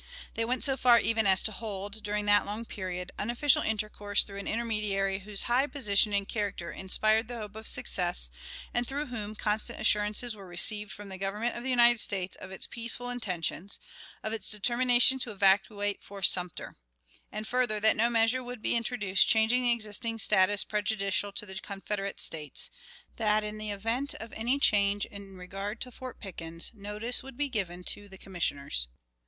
They went so far even as to hold, during that long period, unofficial intercourse through an intermediary, whose high position and character inspired the hope of success, and through whom constant assurances were received from the Government of the United States of its peaceful intentions of its determination to evacuate Fort Sumter; and, further, that no measure would be introduced changing the existing status prejudicial to the Confederate States; that, in the event of any change in regard to Fort Pickens, notice would be given to the Commissioners.